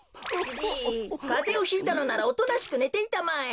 じいかぜをひいたのならおとなしくねていたまえ。